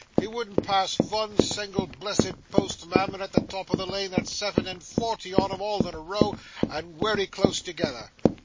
He wouldn't pass vun single blessed post, mum, and at the top o' the lane there's seven and forty on 'em all in a row, and wery close together.